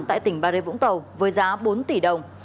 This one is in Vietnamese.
tại tỉnh bà rê vũng tàu với giá bốn tỷ đồng